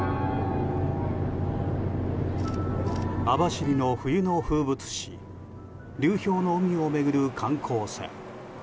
網走の冬の風物詩流氷の海を巡る観光船。